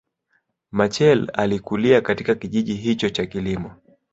Machel alikulia katika kijiji hicho cha kilimo